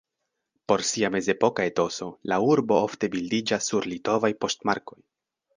Pro sia mezepoka etoso, la urbo ofte bildiĝas sur litovaj poŝtmarkoj.